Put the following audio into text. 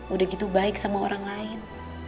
udah gitu baik sama orang lain